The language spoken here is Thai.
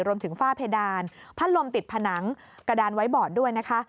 ฝ้าเพดานพัดลมติดผนังกระดานไว้บอดด้วยนะคะ